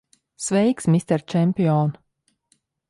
Sveiks, mister čempion!